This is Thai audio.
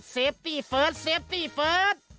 เซฟตี้เฟิร์ดเซฟตี้เฟิร์ด